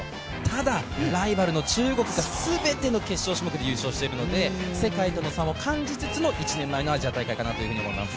ただライバルの中国がすべての決勝種目で優勝しているので、世界との差も感じつつのアジア大会かなと思います。